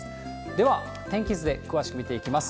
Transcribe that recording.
では、天気図で詳しく見ていきます。